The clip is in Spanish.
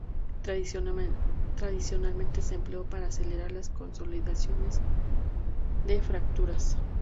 Tradicionalmente se empleó para acelerar la consolidación de fracturas.